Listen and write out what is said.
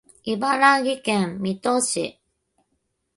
茨城県水戸市